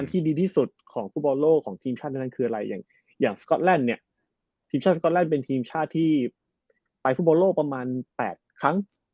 ทีมชาติสกอลันเป็นทีมชาติที่ไปฟุตบอลโลกประมาณ๘ครั้ง